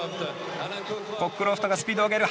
コックロフトがスピードを上げる！